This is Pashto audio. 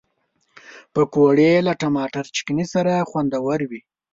پکورې له ټماټر چټني سره خوندورې وي